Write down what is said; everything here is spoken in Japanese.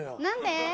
何で？